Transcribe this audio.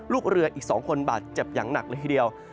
ลูกเรืออีก๒คนบาดเจ็บอย่างหนักเลยทีเดียว